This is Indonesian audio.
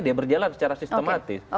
dia berjalan secara sistematis